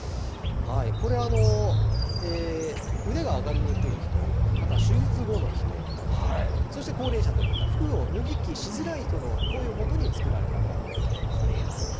これ、腕が上がりにくい人、また手術後の人、そして高齢者といった、服を脱ぎ着しづらい人の声をもとに作られたものなんです。